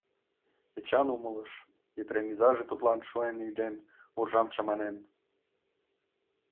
Эчан умылыш, Епрем изаже тудлан шуэн ӱден, уржам чаманен.